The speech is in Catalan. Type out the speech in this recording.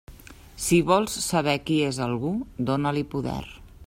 Si vols saber qui és algú, dóna-li poder.